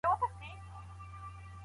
ولسمشر استخباراتي معلومات نه افشا کوي.